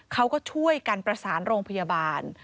เขาก็ช่วยกันประสานโรงพยาบาล